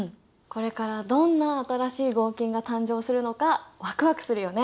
これからどんな新しい合金が誕生するのかワクワクするよね！